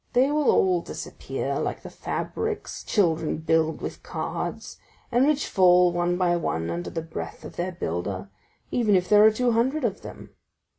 They will all disappear, like the fabrics children build with cards, and which fall, one by one, under the breath of their builder, even if there are two hundred of them.